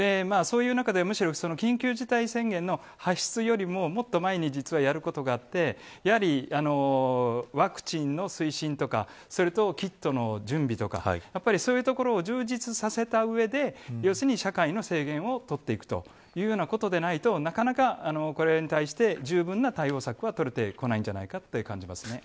そういう中でむしろ緊急事態宣言の発出よりも、もっと前に実はやることがあってやはり、ワクチンの推進とかそれと、キットの準備とかそういうところを充実させた上で要するに社会の制限をとっていくということでないとなかなかこれに対してじゅうぶんな対応策は取れてこないんじゃないかと感じます。